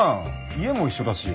家も一緒だし。